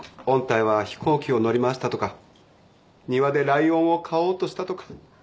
御大は飛行機を乗り回したとか庭でライオンを飼おうとしたとか。